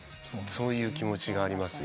そういう気持ちがあります。